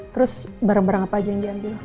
terus barang barang apa aja yang diambil